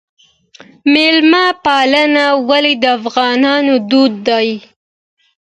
میلمه پالنه ولې د افغانانو دود دی؟